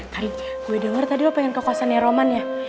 tadi gue denger tadi lo pengen ke kosannya roman ya